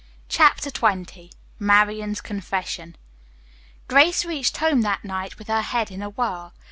CHAPTER XX MARIAN'S CONFESSION Grace reached home that night with her head in a whirl.